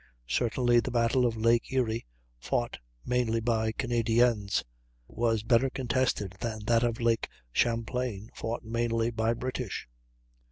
Certainly the battle of Lake Erie, fought mainly by Canadians, was better contested than that of Lake Champlain, fought mainly by British.